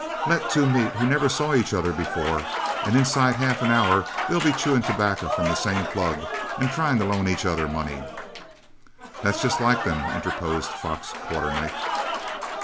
Let two meet who never saw each other before, and inside of half an hour they'll be chewing tobacco from the same plug and trying to loan each other money." "That's just like them," interposed Fox Quarternight.